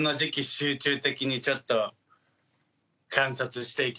集中的にちょっと観察して行きます。